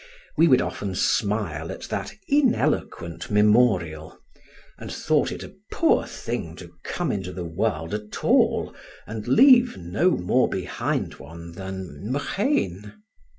We would often smile at that ineloquent memorial, and thought it a poor thing to come into the world at all and leave no more behind one than Machean.